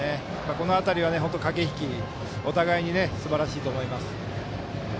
この辺りは駆け引きで、お互いにすばらしいと思います。